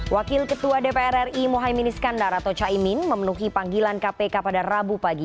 wakil ketua dpr ri mohaimin iskandar atau caimin memenuhi panggilan kpk pada rabu pagi